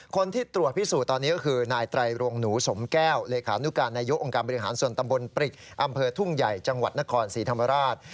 คนที่ตรวจพิสูจน์ตอนนี้ก็คือนายไตรรงหนูสมแก้วเลขานุการนายกองค์การบริหารส่วนตำบลปริกอำเภอทุ่งใหญ่จังหวัดนครศรีธรรมราช